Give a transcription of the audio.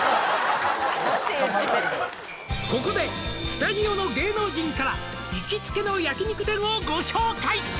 「ここでスタジオの芸能人から」「行きつけの焼肉店をご紹介」